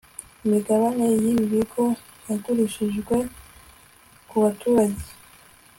imigabane yibi bigo yagurishijwe kubaturage